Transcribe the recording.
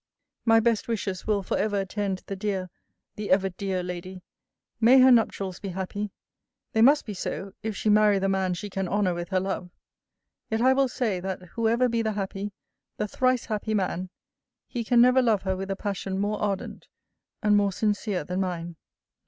My best wishes will for ever attend the dear, the ever dear lady! may her nuptials be happy! they must be so, if she marry the man she can honour with her love. Yet I will say, that whoever be the happy, the thrice happy man, he can never love her with a passion more ardent and more sincere than mine.